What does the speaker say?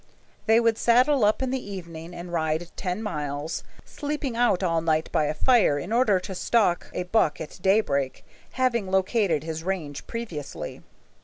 They would saddle up in the evening and ride ten miles, sleeping out all night by a fire in order to stalk a buck at daybreak, having located his range previously.